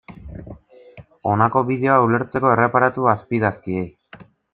Honako bideoa ulertzeko, erreparatu azpiidazkiei.